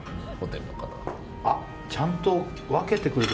ちゃんと分けてくれて。